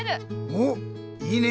おっいいね。